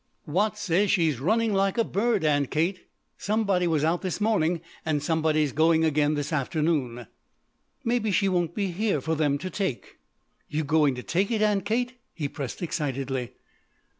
"Watts says she's running like a bird, Aunt Kate. Somebody was out this morning and somebody's going again this afternoon." "Maybe she won't be here for them to take!" "You going to take it, Aunt Kate?" he pressed excitedly.